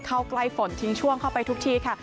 เข้าใกล้ฝนทิ้งช่วงเข้าไปทุกทีค่ะ